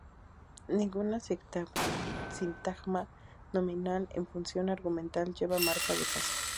Ningún sintagma nominal en función argumental lleva marca de caso.